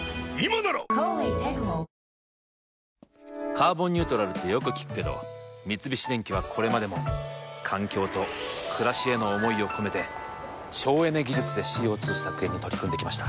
「カーボンニュートラル」ってよく聞くけど三菱電機はこれまでも環境と暮らしへの思いを込めて省エネ技術でＣＯ２削減に取り組んできました。